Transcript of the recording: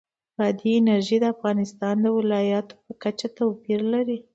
بادي انرژي د افغانستان د ولایاتو په کچه توپیر لري.